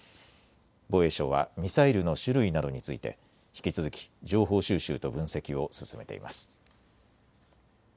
防衛省はミサイルの種類などについて引き続き情報収集と分析を進めています。